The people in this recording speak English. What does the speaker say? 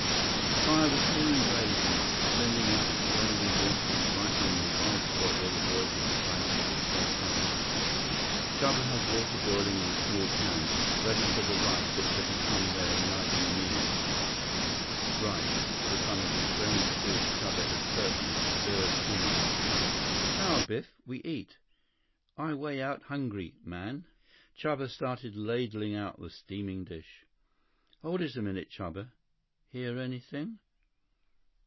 The fire was soon blazing, sending out its friendly warmth and brightening the wild spot where the boys had decided to pitch their camp. Chuba had water boiling in a small can, ready for the rice which had become their nightly meal—rice, with some of the strange foods Chuba had purchased stirred in it. "Chow, Biff. We eat. I way out hungry, man." Chuba started ladling out the steaming dish. "Hold it a minute, Chuba. Hear anything?"